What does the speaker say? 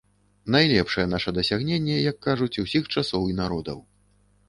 Найлепшае наша дасягненне, як кажуць, усіх часоў і народаў.